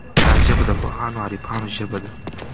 دا ژبه د پوهانو او عارفانو ژبه ده.